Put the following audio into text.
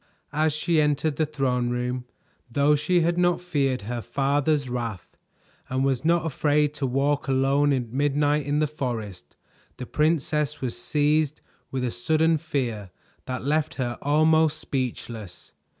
As she entered the throne room, though she had not feared her father's wrath and was not afraid to walk alone at midnight in the forest, the princess was seized with a sudden fear that left her almost speechless.